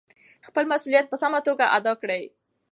خپل مسؤلیت په سمه توګه ادا کړئ.